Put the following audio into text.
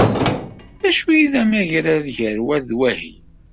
D acu i d amgerrad gar wa d wahi?